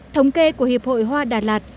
thống kê của hiệp hội hoa đà lạt